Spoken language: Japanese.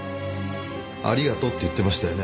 ありがとうって言ってましたよね？